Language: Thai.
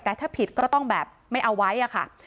แต่ถ้าผิดก็ต้องแบบไม่เอาไว้อะค่ะ